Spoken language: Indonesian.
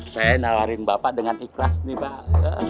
saya nawarin bapak dengan ikhlas nih pak